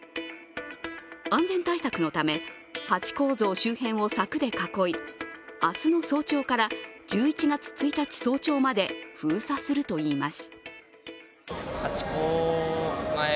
安全対策のため、ハチ公像周辺を柵で囲い、明日の早朝から１１月１日早朝まで封鎖するといいます。